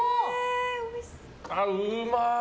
ああ、うまい！